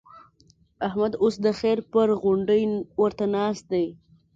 احمد اوس د خير پر غونډۍ ورته ناست دی.